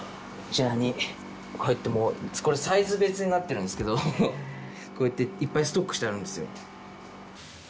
こちらにこうやってもうこれサイズ別になってるんすけどこうやっていっぱいストックしてあるんですよ